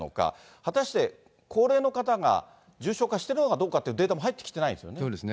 果たして高齢の方が重症化しているのかどうかっていうデータも入そうですね。